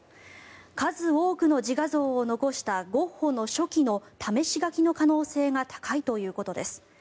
数多くの自画像を残したゴッホの初期の試し描きの可能性が高いということです。